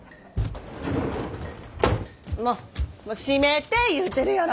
閉めて言うてるやろ！